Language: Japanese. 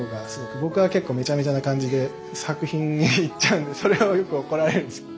僕は結構メチャメチャな感じで作品にいっちゃうのでそれをよく怒られるんですけど。